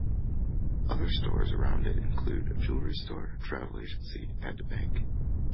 Other stores around it include a jewelry store, travel agency and a bank.